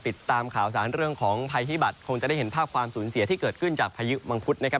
ติดตามข่าวสารเรื่องของภัยพิบัตรคงจะได้เห็นภาพความสูญเสียที่เกิดขึ้นจากพายุมังคุดนะครับ